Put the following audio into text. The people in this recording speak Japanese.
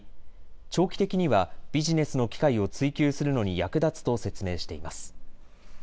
長期的にはビジネスの機会を追求するのに役立つと説明しています。